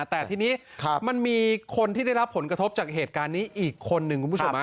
แต่ทีนี้มันมีคนที่ได้รับผลกระทบจากเหตุการณ์นี้อีกคนหนึ่งคุณผู้ชม